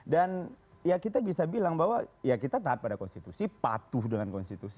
dan ya kita bisa bilang bahwa ya kita taat pada konstitusi patuh dengan konstitusi